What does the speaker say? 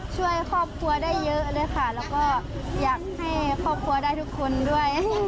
ช่วยครอบครัวได้เยอะเลยค่ะแล้วก็อยากให้ครอบครัวได้ทุกคนด้วย